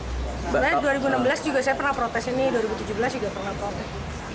sebenarnya dua ribu enam belas juga saya pernah protes ini dua ribu tujuh belas juga pernah protes